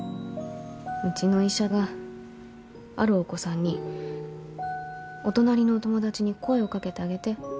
うちの医者があるお子さんに「お隣のお友達に声を掛けてあげて」